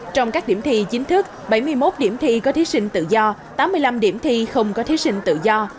trong các điểm thi chính thức bảy mươi một điểm thi có thí sinh tự do tám mươi năm điểm thi không có thí sinh tự do